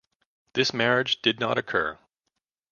This marriage did not occur.